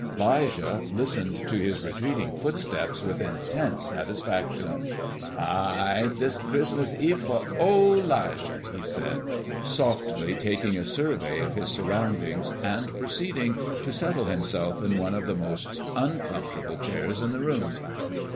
'Lijah listened to his retreating footsteps with intense satisfaction. "Hi! Ain't dis a Chris'mus Eve fer ole 'Lijah!" he said, softly, taking a survey of his surroundings, and proceeding to settle himself in one of the most uncomfortable chairs in the room.